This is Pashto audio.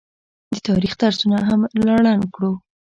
د تاریخ درسونه هم رالنډ کړو